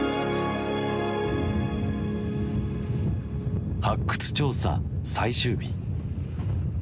発掘調査最終日。